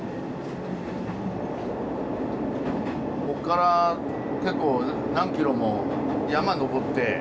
こっから結構何キロも山のぼって。